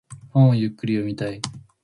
本をゆっくり読みたい。